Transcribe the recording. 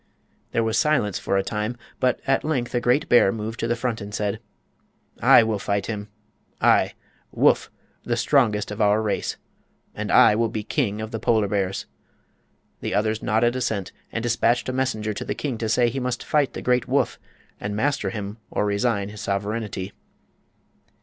There was silence for a time, but at length a great bear moved to the front and said: "I will fight him; I—Woof—the strongest of our race! And I will be King of the Polar Bears." The others nodded assent, and dispatched a messenger to the king to say he must fight the great Woof and master him or resign his sovereignty.